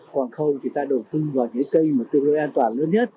còn không thì ta đầu tư vào những cái kênh tương đối an toàn lớn nhất